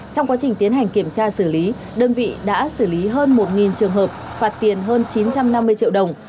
trong quá trình tiến hành kiểm tra xử lý đơn vị đã xử lý hơn một trường hợp phạt tiền hơn chín trăm năm mươi triệu đồng